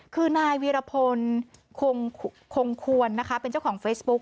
คือนายวีรพลคงควรนะคะเป็นเจ้าของเฟซบุ๊ก